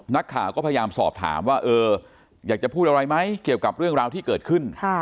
นักข่าวก็พยายามสอบถามว่าเอออยากจะพูดอะไรไหมเกี่ยวกับเรื่องราวที่เกิดขึ้น